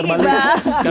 oh kebalik ibu